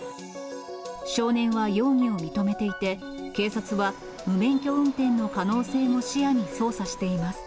少年は容疑を認めていて、警察は無免許運転の可能性も視野に捜査しています。